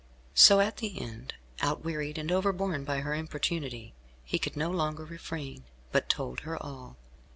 So at the end, outwearied and overborne by her importunity, he could no longer refrain, but told her all.